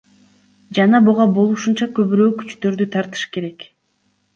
Жана буга болушунча көбүрөөк күчтөрдү тартыш керек.